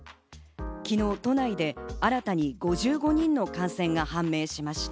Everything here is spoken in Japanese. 昨日、都内で新たに５５人の感染が判明しました。